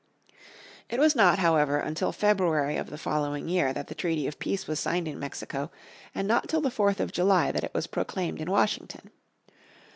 It was not, however, until February of the following year that the treaty of peace was signed in Mexico and not till the 4th of July was it proclaimed in Washington.